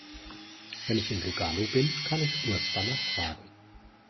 Wenn ich in Lugano bin, kann ich Urs danach fragen.